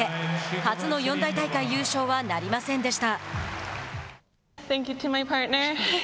初の四大大会優勝はなりませんでした。